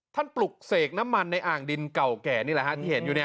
ปลุกเสกน้ำมันในอ่างดินเก่าแก่นี่แหละที่เห็นอยู่